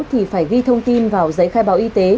thì phải ghi thông tin vào giấy khai báo y tế